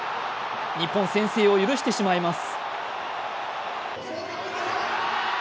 日本、先制を許してしまいます。